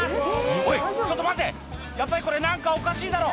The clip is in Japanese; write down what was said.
「おいちょっと待てやっぱりこれ何かおかしいだろ！」